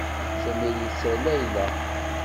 Sami yetter Layla.